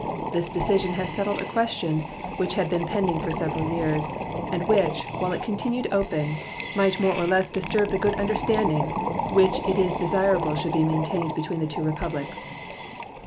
This decision has settled a question which had been pending for several years, and which, while it continued open, might more or less disturb the good understanding which it is desirable should be maintained between the two Republics.